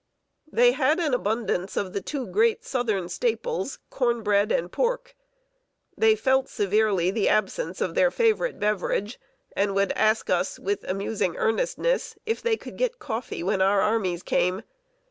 They had an abundance of the two great Southern staples corn bread and pork. They felt severely the absence of their favorite beverage, and would ask us, with amusing earnestness, if they could get coffee when our armies came.